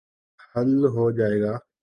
حل ہو جائے گا۔